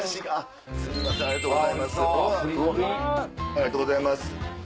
ありがとうございます。